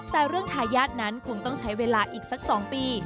แต่เรื่องทายาทนั้นคงต้องใช้เวลาอีกสัก๒ปี